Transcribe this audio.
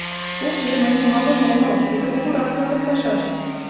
Уке, мый нумалын омыл — тиде кугурак-влакын пашашт.